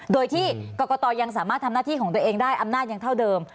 โดยที่กรกตยังสามารถทำหน้าที่ของตัวเองได้อำนาจยังเท่าเดิม